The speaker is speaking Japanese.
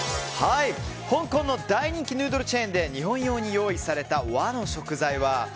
香港の大人気ヌードルチェーンで日本用に用意された和の食材は？